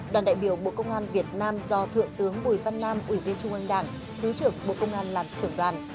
đoàn đại biểu bộ công an việt nam do thượng tướng bùi văn nam ủy viên trung ương đảng thứ trưởng bộ công an làm trưởng đoàn